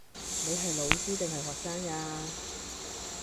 你係老師定係學生呀